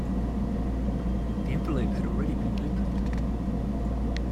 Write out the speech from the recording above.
The envelope had already been opened.